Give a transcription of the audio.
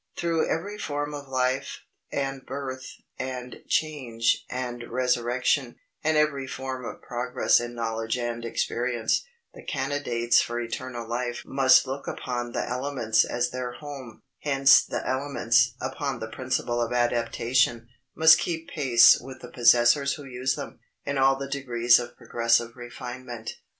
Through every form of life, and birth, and change, and resurrection, and every form of progress in knowledge and experience, the candidates for eternal life must look upon the elements as their home; hence the elements, upon the principle of adaptation, must keep pace with the possessors who use them, in all the degrees of progressive refinement.